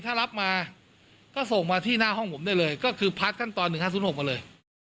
ถ้ารับมาก็ส่งมาที่หน้าห้องผมได้เลยก็คือพัฒน์ขั้นตอนหนึ่งห้าศูนย์หกมาเลย